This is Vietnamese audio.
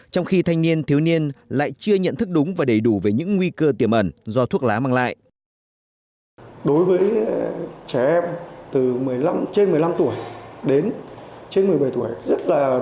trong khi thanh niên thiếu niên lại chưa nhận thức đúng và đầy đủ về những nguy cơ tiềm ẩn do thuốc lá mang lại